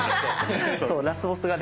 そうラスボスがね。